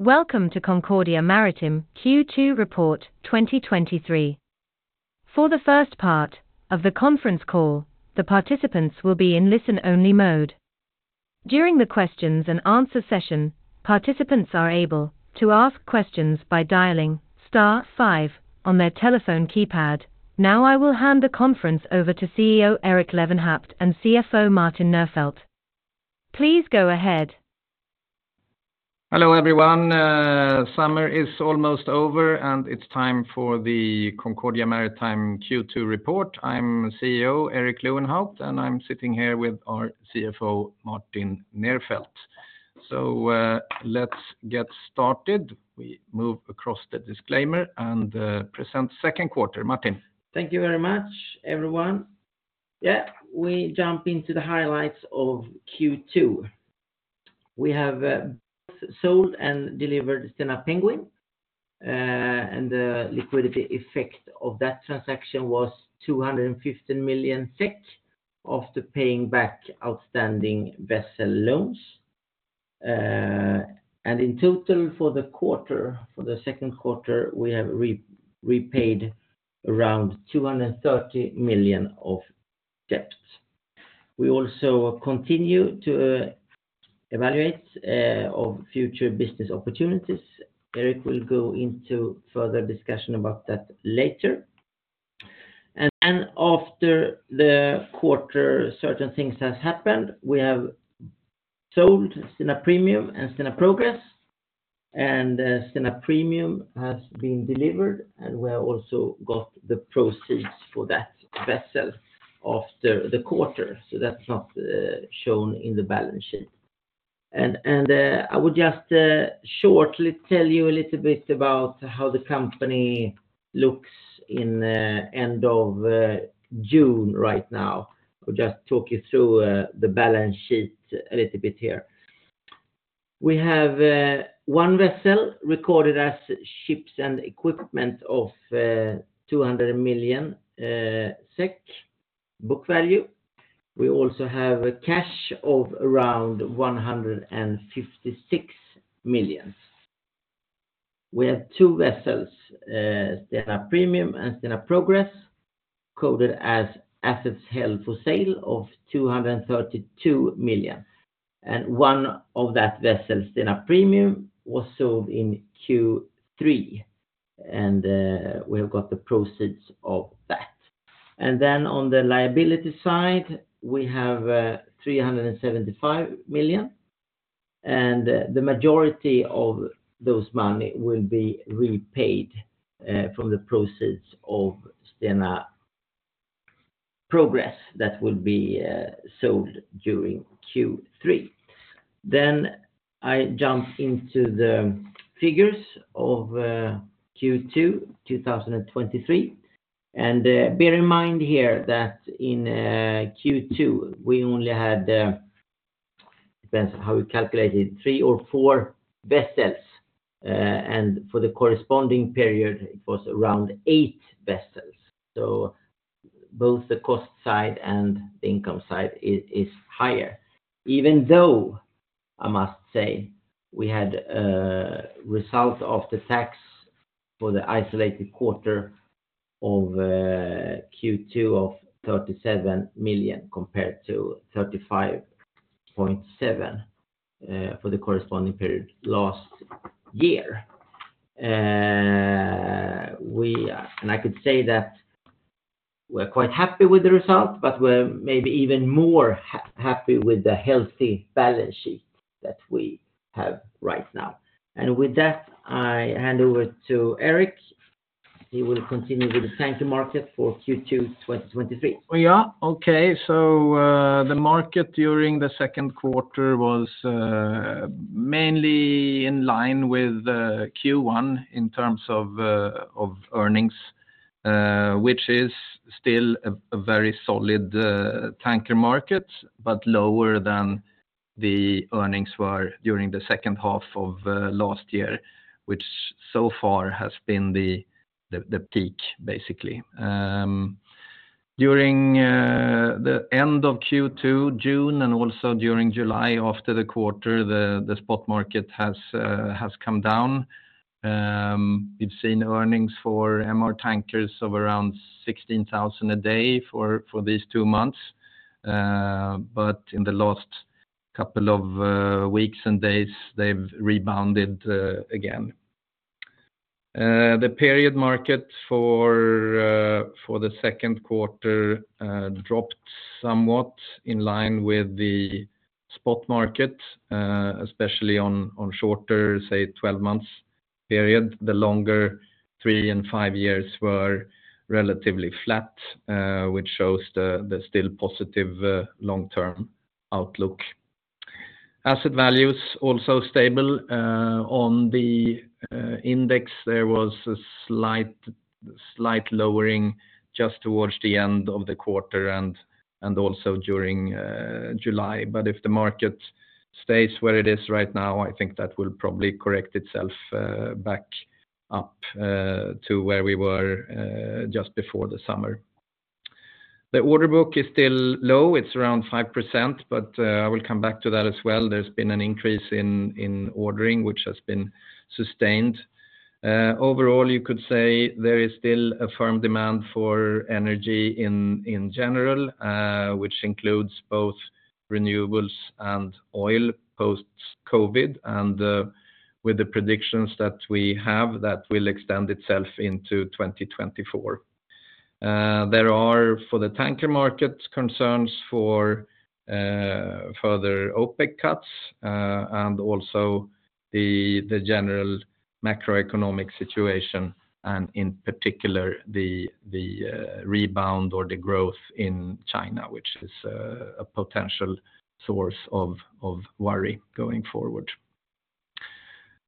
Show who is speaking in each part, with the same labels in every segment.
Speaker 1: Welcome to Concordia Maritime Q2 Report 2023. For the first part of the conference call, the participants will be in listen-only mode. During the questions and answer session, participants are able to ask questions by dialing star five on their telephone keypad. Now, I will hand the conference over to CEO; Erik Lewenhaupt and CFO; Martin Nerfeldt. Please go ahead.
Speaker 2: Hello, everyone. Summer is almost over, and it's time for the Concordia Maritime Q2 Report. I'm CEO; Erik Lewenhaupt, and I'm sitting here with our CFO; Martin Nerfeldt. So, let's get started. We move across the disclaimer and present second quarter. Martin.
Speaker 3: Thank you very much, everyone. Yeah, we jump into the highlights of Q2. We have sold and delivered Stena Penguin, and the liquidity effect of that transaction was 215 million SEK after paying back outstanding vessel loans. And in total, for the quarter, for the second quarter, we have repaid around 230 million of debts. We also continue to evaluate of future business opportunities. Erik will go into further discussion about that later. And then after the quarter, certain things has happened. We have sold Stena Premium and Stena Progress, and Stena Premium has been delivered, and we have also got the proceeds for that vessel after the quarter, so that's not shown in the balance sheet. I would just shortly tell you a little bit about how the company looks in end of June right now. I'll just talk you through the balance sheet a little bit here. We have one vessel recorded as ships and equipment of 200 million SEK book value. We also have cash of around 156 million. We have two vessels, Stena Premium and Stena Progress, coded as assets held for sale of 232 million, and one of that vessels, Stena Premium, was sold in Q3, and we have got the proceeds of that. Then on the liability side, we have 375 million, and the majority of those money will be repaid from the proceeds of Stena Progress that will be sold during Q3. Then I jump into the figures of Q2, 2023. Bear in mind here that in Q2 we only had, depends on how we calculated, three or four vessels. And for the corresponding period, it was around eight vessels. So both the cost side and the income side is higher. Even though, I must say, we had results of the tax for the isolated quarter of Q2 of 37 million compared to 35.7 million for the corresponding period last year. And I could say that we're quite happy with the result, but we're maybe even more happy with the healthy balance sheet that we have right now. And with that, I hand over to Erik. He will continue with the tanker market for Q2, 2023.
Speaker 2: Okay. So, the market during the second quarter was mainly in line with Q1 in terms of of earnings, which is still a very solid tanker market, but lower than the earnings were during the second half of last year, which so far has been the peak, basically. During the end of Q2, June, and also during July, after the quarter, the spot market has come down. We've seen earnings for MR tankers of around $16,000 a day for these two months, but in the last couple of weeks and days, they've rebounded again. The period market for the second quarter dropped somewhat in line with the spot market, especially on shorter, say, 12 months period. The longer, three and five years were relatively flat, which shows the still positive long-term outlook. Asset values also stable. On the index, there was a slight lowering just towards the end of the quarter and also during July. But if the market stays where it is right now, I think that will probably correct itself back up to where we were just before the summer. The order book is still low, it's around 5%, but I will come back to that as well. There's been an increase in ordering, which has been sustained. Overall, you could say there is still a firm demand for energy in general, which includes both renewables and oil, post-COVID, and with the predictions that we have, that will extend itself into 2024. There are, for the tanker market, concerns for further OPEC cuts, and also the general macroeconomic situation, and in particular, the rebound or the growth in China, which is a potential source of worry going forward.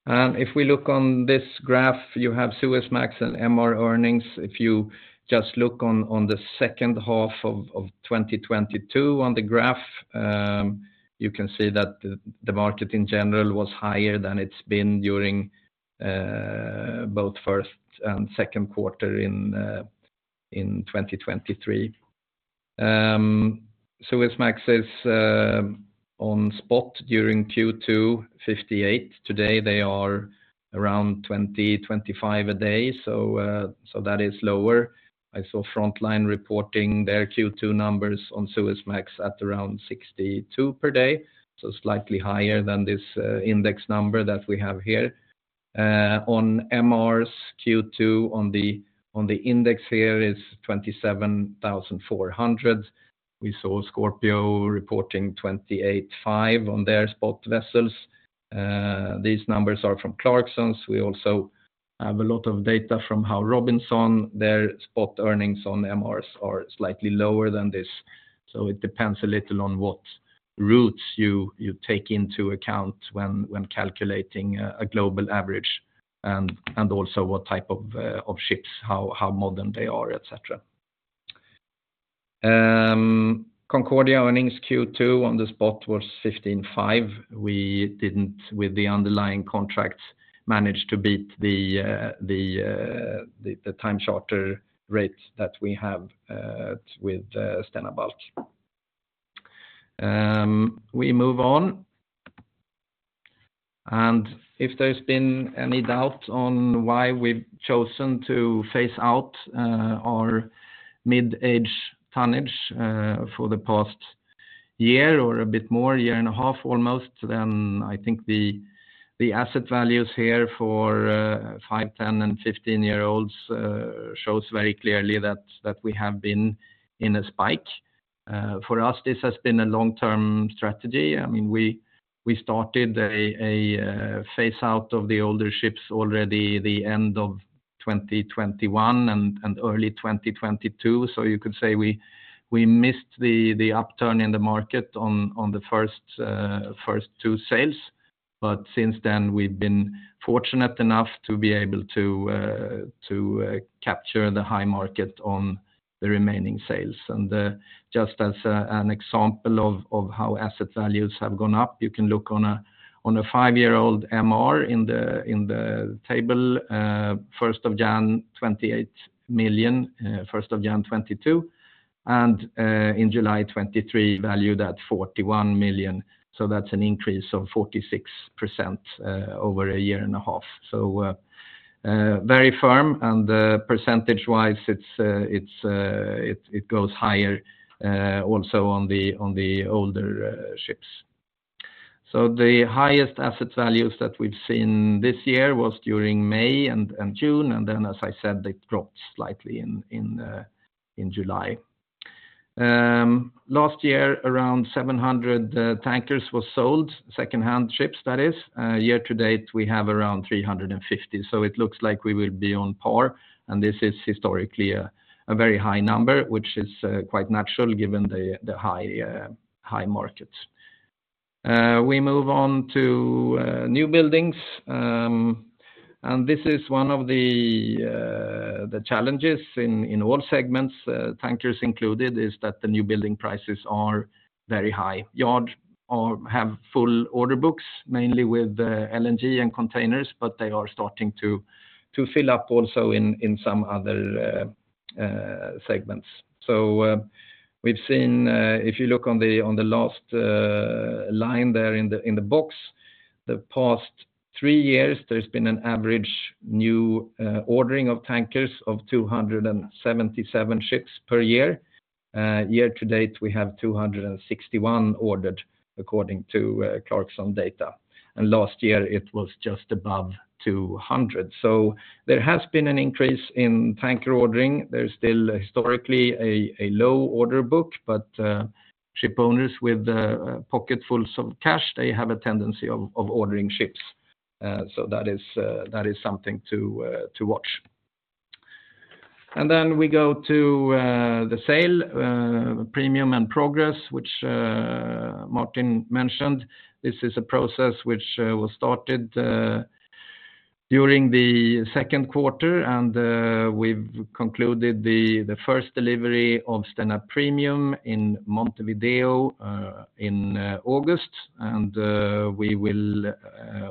Speaker 2: If we look on this graph, you have Suezmax and MR earnings. If you just look on the second half of 2022 on the graph, you can see that the market in general was higher than it's been during both first and second quarter in 2023. Suezmax is on spot during Q2, $58. Today, they are around $20-$25 a day. That is lower. I saw Frontline reporting their Q2 numbers on Suezmax at around $62 per day, so slightly higher than this index number that we have here. On MRs Q2, the index here is $27,400. We saw Scorpio reporting $28,500 on their spot vessels. These numbers are from Clarksons. We also have a lot of data from Howe Robinson. Their spot earnings on MRs are slightly lower than this, so it depends a little on what routes you take into account when calculating a global average, and also what type of ships, how modern they are, et cetera. Concordia earnings Q2 on the spot was $15,500. We didn't, with the underlying contracts, manage to beat the time charter rates that we have with Stena Bulk. We move on. If there's been any doubt on why we've chosen to phase out our mid-age tonnage for the past year or a bit more, a year and a half almost, then I think the asset values here for 5, 10, and 15-year-olds shows very clearly that we have been in a spike. For us, this has been a long-term strategy. I mean, we started a phase out of the older ships already the end of 2021 and early 2022. So you could say we missed the upturn in the market on the first 2 sales. But since then, we've been fortunate enough to be able to capture the high market on the remaining sales. Just as an example of how asset values have gone up, you can look on a five-year-old MR in the table, first of January, $28 million, 1st of January 2022, and in July 2023, valued at $41 million. So that's an increase of 46% over a year and a half. So very firm, and percentage-wise, it's it goes higher also on the older ships. So the highest asset values that we've seen this year was during May and June, and then, as I said, they dropped slightly in July. Last year, around 700 tankers were sold, secondhand ships, that is. Year to date, we have around 350. So it looks like we will be on par, and this is historically a very high number, which is quite natural, given the high high markets. We move on to new buildings. This is one of the challenges in all segments, tankers included, is that the new building prices are very high. Yards have full order books, mainly with LNG and containers, but they are starting to fill up also in some other segments. So, we've seen if you look on the last line there in the box, the past three years, there's been an average new ordering of tankers of 277 ships per year. Year to date, we have 261 ordered, according to Clarksons data. Last year, it was just above 200. So there has been an increase in tanker ordering. There's still historically a low order book, but shipowners with a pocket full of cash, they have a tendency of ordering ships. So that is something to watch. And then we go to the sale Premium and Progress, which Martin mentioned. This is a process which was started during the second quarter, and we've concluded the first delivery of Stena Premium in Montevideo in August. And we will,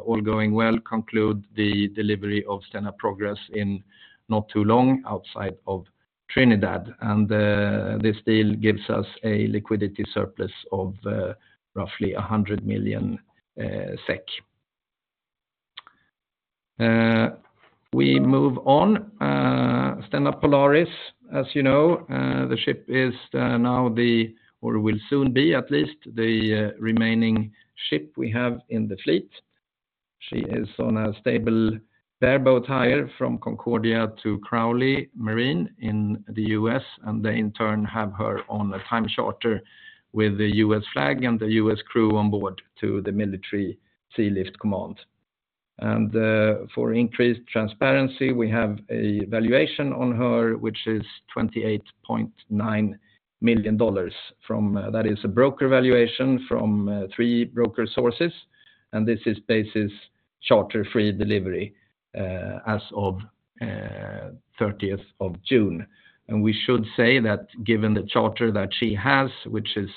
Speaker 2: all going well, conclude the delivery of Stena Progress in not too long outside of Trinidad. And this deal gives us a liquidity surplus of roughly SEK 100 million. We move on, Stena Polaris, as you know, the ship is now the, or will soon be at least the, remaining ship we have in the fleet. She is on a stable bareboat hire from Concordia to Crowley Marine in the U.S., and they, in turn, have her on a time charter with the U.S. flag and the U.S. crew on board to the Military Sealift Command. And, for increased transparency, we have a valuation on her, which is $28.9 million from, that is a broker valuation from, three broker sources, and this is basis charter-free delivery, as of, 30th of June. And we should say that given the charter that she has, which is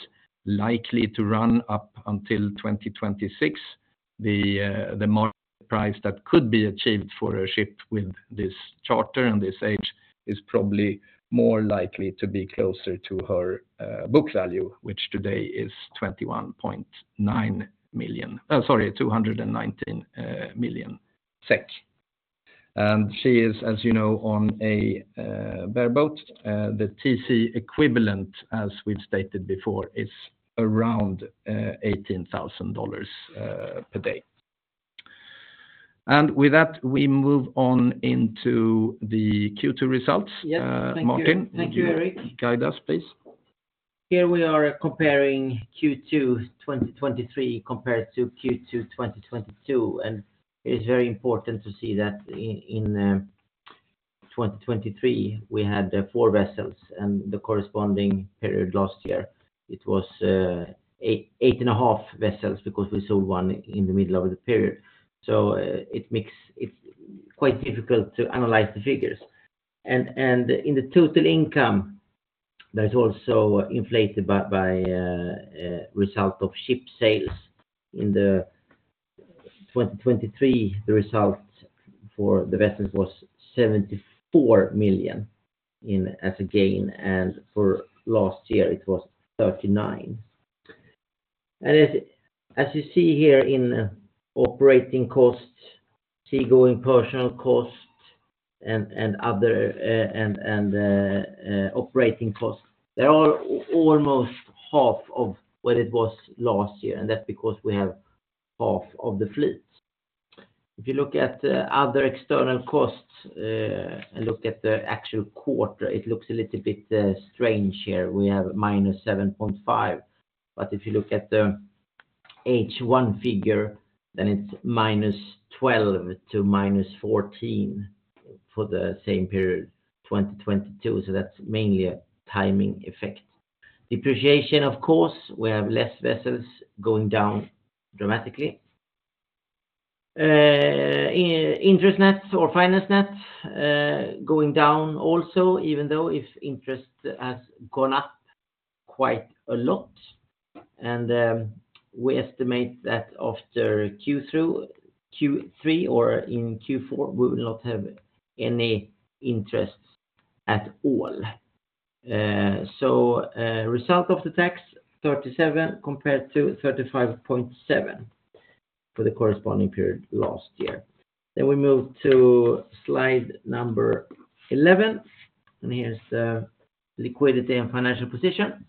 Speaker 2: likely to run up until 2026, the market price that could be achieved for a ship with this charter and this age is probably more likely to be closer to her book value, which today is 21.9 million, sorry, 219 million SEK. And she is, as you know, on a bareboat. The TC equivalent, as we've stated before, is around $18,000 per day. And with that, we move on into the Q2 results.
Speaker 3: Yes.
Speaker 2: Uh, Martin.
Speaker 3: Thank you, Erik.
Speaker 2: Guide us, please.
Speaker 3: Here we are comparing Q2 2023 compared to Q2 2022, and it is very important to see that in 2023, we had four vessels, and the corresponding period last year, it was 8.5 vessels because we sold one in the middle of the period. So it makes it quite difficult to analyze the figures. And in the total income, that's also inflated by the result of ship sales. In 2023, the result for the vessels was 74 million as a gain, and for last year it was 39 million. And as you see here in operating costs, seagoing personnel costs, and other operating costs, they are almost half of what it was last year, and that's because we have half of the fleet. If you look at the other external costs, and look at the actual quarter, it looks a little bit, strange here. We have -7.5, but if you look at the H1 figure, then it's -12--14 for the same period, 2022, so that's mainly a timing effect. Depreciation, of course, we have less vessels going down dramatically. Interest net or finance net, going down also, even though if interest has gone up quite a lot, and, we estimate that after Q2, Q3, or in Q4, we will not have any interest at all. So, result of the tax, 37, compared to 35.7 for the corresponding period last year. Then we move to slide number 11, and here's the liquidity and financial position.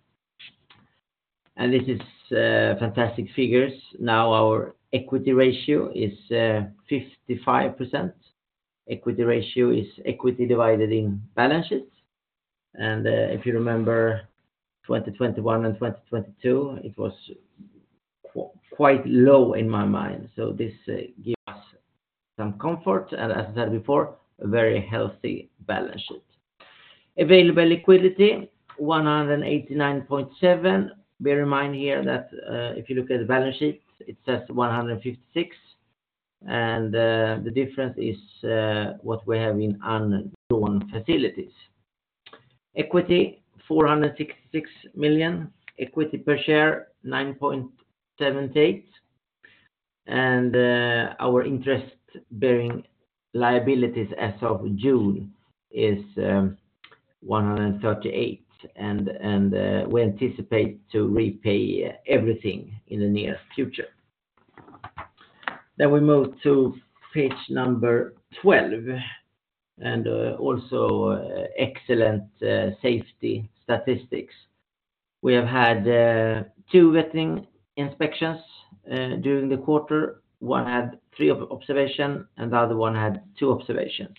Speaker 3: This is fantastic figures. Now, our equity ratio is 55%. Equity ratio is equity divided in balance sheet. And if you remember 2021 and 2022, it was quite low in my mind, so this gives us some comfort, and as I said before, a very healthy balance sheet. Available liquidity, 189.7 million. Bear in mind here that if you look at the balance sheet, it says 156 million, and the difference is what we have in unused facilities. Equity, 466 million. Equity per share, 9.78. And our interest bearing liabilities as of June is 138 million, and we anticipate to repay everything in the near future. Then we move to page 12, and also excellent safety statistics. We have had two vetting inspections during the quarter. One had three observations, and the other one had two observations.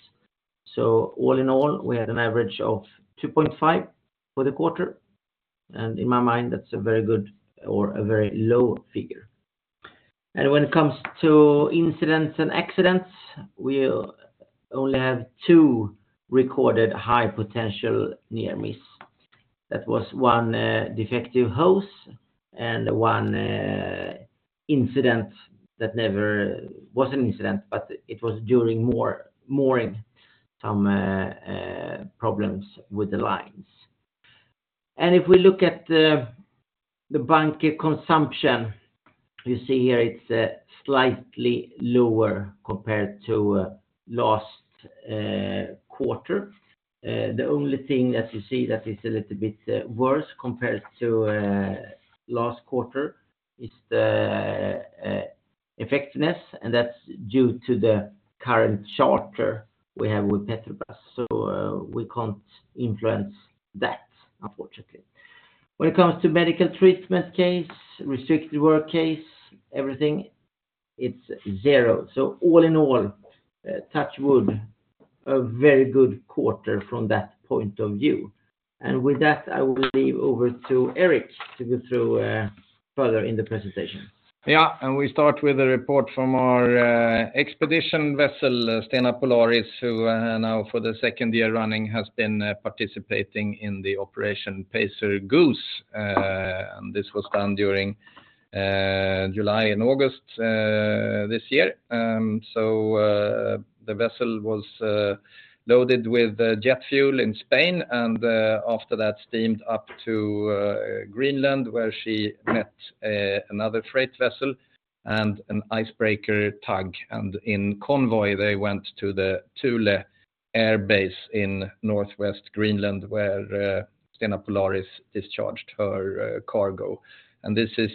Speaker 3: So all in all, we had an average of 2.5 for the quarter, and in my mind, that's a very good or a very low figure. And when it comes to incidents and accidents, we only have two recorded high potential near misses. That was one defective hose and one incident that never was an incident, but it was during mooring, some problems with the lines. And if we look at the bunker consumption, you see here it's slightly lower compared to last quarter. The only thing that you see that is a little bit worse compared to last quarter is the effectiveness, and that's due to the current charter we have with Petrobras. So, we can't influence that, unfortunately. When it comes to medical treatment case, restricted work case, everything, it's zero. So all in all, touch wood, a very good quarter from that point of view. And with that, I will leave over to Erik to go through further in the presentation.
Speaker 2: Yeah, and we start with a report from our expedition vessel, Stena Polaris, who now for the second year running has been participating in the Operation Pacer Goose. And this was done during July and August this year. So, the vessel was loaded with jet fuel in Spain, and after that, steamed up to Greenland, where she met another freight vessel and an icebreaker tug. And in convoy, they went to the Thule Air Base in Northwest Greenland, where Stena Polaris discharged her cargo. And this is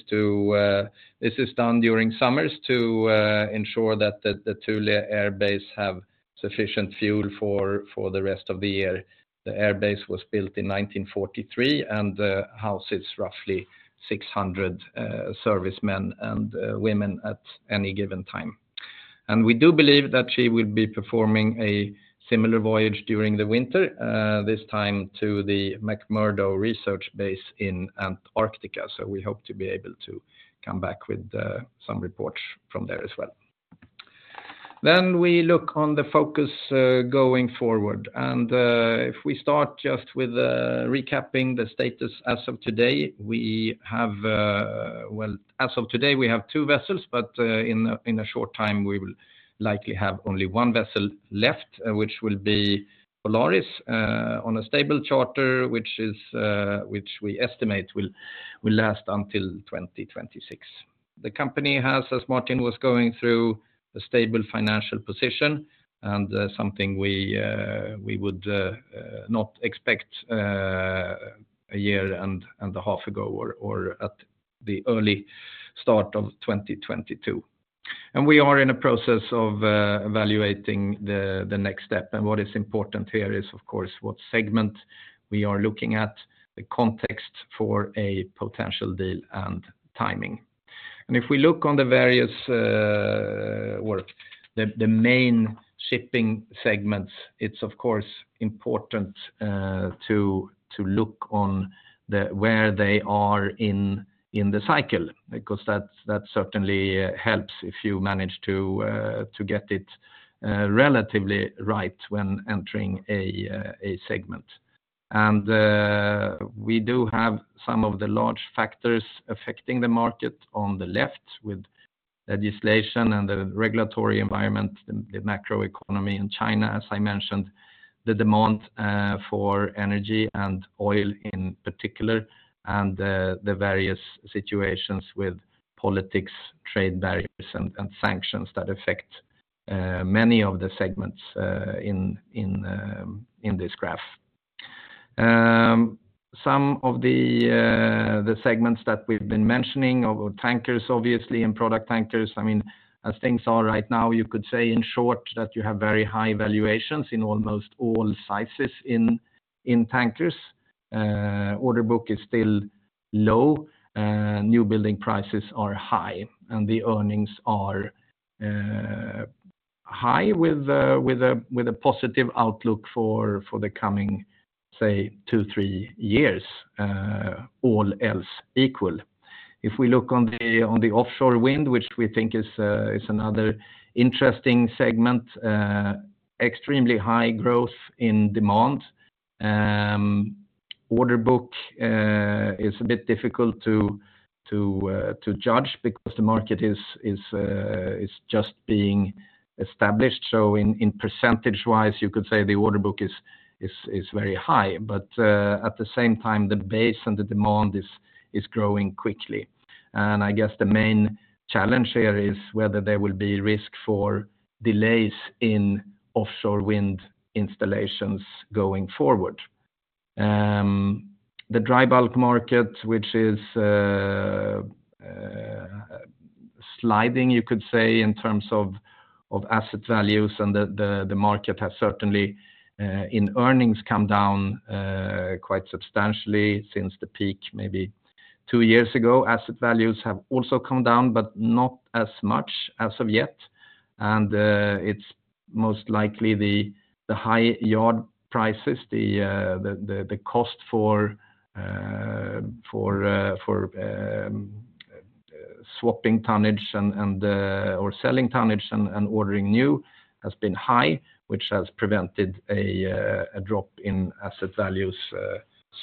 Speaker 2: done during summers to ensure that the Thule Air Base have sufficient fuel for the rest of the year. The air base was built in 1943, and houses roughly 600 servicemen and women at any given time. We do believe that she will be performing a similar voyage during the winter this time to the McMurdo Research Base in Antarctica. We hope to be able to come back with some reports from there as well. We look on the focus going forward, and if we start just with recapping the status as of today, we have... Well, as of today, we have two vessels, but in a short time, we will likely have only one vessel left, which will be Polaris on a stable charter, which we estimate will last until 2026. The company has, as Martin was going through, a stable financial position, and something we would not expect a year and a half ago or at the early start of 2022. We are in a process of evaluating the next step. What is important here is, of course, what segment we are looking at, the context for a potential deal, and timing. If we look on the various, well, the main shipping segments, it's of course important to look on where they are in the cycle, because that certainly helps if you manage to get it relatively right when entering a segment. We do have some of the large factors affecting the market on the left with legislation and the regulatory environment, the macroeconomy in China, as I mentioned, the demand for energy and oil in particular, and the various situations with politics, trade barriers, and sanctions that affect many of the segments in this graph. Some of the segments that we've been mentioning are tankers, obviously, and product tankers. I mean, as things are right now, you could say in short, that you have very high valuations in almost all sizes in tankers. Order book is still low, new building prices are high, and the earnings are high with a positive outlook for the coming, say, two, three years, all else equal. If we look on the, on the offshore wind, which we think is another interesting segment, extremely high growth in demand. Order book is a bit difficult to judge because the market is just being established. So percentage-wise, you could say the order book is very high, but at the same time, the base and the demand is growing quickly. And I guess the main challenge here is whether there will be risk for delays in offshore wind installations going forward. The dry bulk market, which is sliding, you could say, in terms of asset values, and the market has certainly in earnings come down quite substantially since the peak, maybe two years ago. Asset values have also come down, but not as much as of yet. It's most likely the high yard prices, the cost for swapping tonnage and or selling tonnage and ordering new has been high, which has prevented a drop in asset values,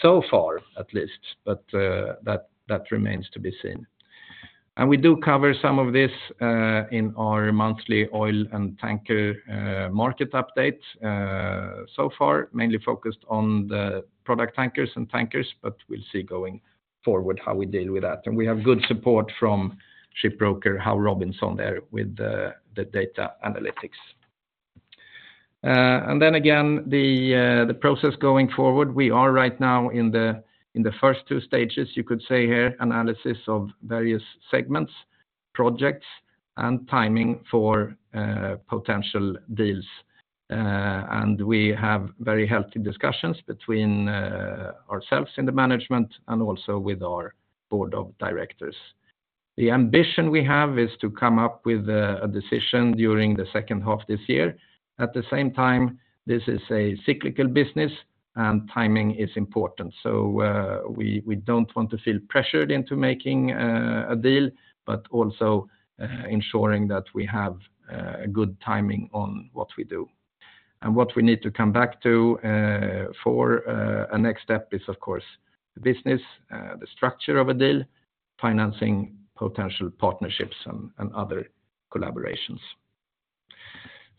Speaker 2: so far, at least. But that remains to be seen. We do cover some of this in our monthly oil and tanker market update. So far, mainly focused on the product tankers and tankers, but we'll see going forward how we deal with that. We have good support from shipbroker Howe Robinson there with the data analytics. And then again, the process going forward, we are right now in the first two stages, you could say here, analysis of various segments, projects, and timing for potential deals. And we have very healthy discussions between ourselves in the management and also with our board of directors. The ambition we have is to come up with a decision during the second half of this year. At the same time, this is a cyclical business, and timing is important. So, we don't want to feel pressured into making a deal, but also ensuring that we have a good timing on what we do. And what we need to come back to for a next step is, of course, the business, the structure of a deal, financing, potential partnerships and other collaborations.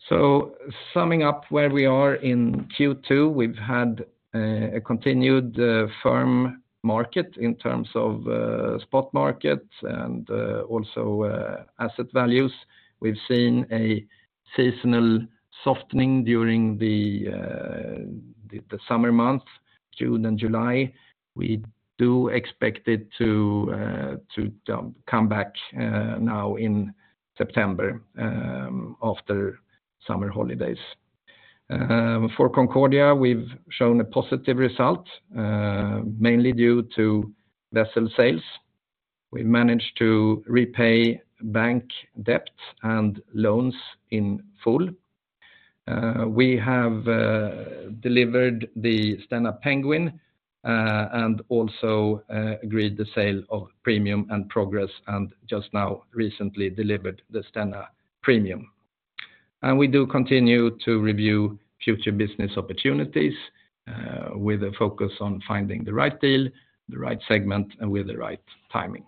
Speaker 2: So summing up where we are in Q2, we've had a continued firm market in terms of spot markets and also asset values. We've seen a seasonal softening during the summer months, June and July. We do expect it to come back now in September after summer holidays. For Concordia, we've shown a positive result mainly due to vessel sales. We managed to repay bank debts and loans in full. We have delivered the Stena Penguin and also agreed the sale of Premium and Progress, and just now recently delivered the Stena Premium. We do continue to review future business opportunities with a focus on finding the right deal, the right segment, and with the right timing.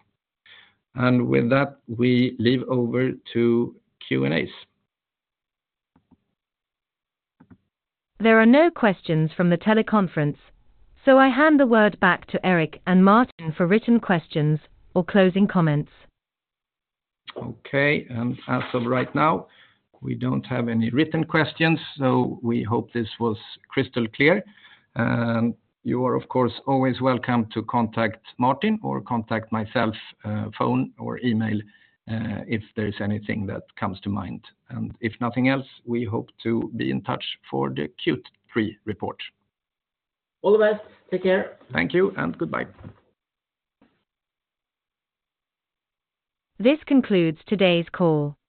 Speaker 2: With that, we leave over to Q&As.
Speaker 1: There are no questions from the teleconference, so I hand the word back to Erik and Martin for written questions or closing comments.
Speaker 2: Okay, and as of right now, we don't have any written questions, so we hope this was crystal clear. You are, of course, always welcome to contact Martin or contact myself, phone or email, if there is anything that comes to mind. And if nothing else, we hope to be in touch for the Q3 report.
Speaker 3: All the best. Take care.
Speaker 2: Thank you and goodbye.
Speaker 1: This concludes today's call.